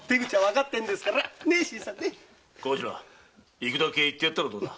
行くだけ行ってやったらどうだ？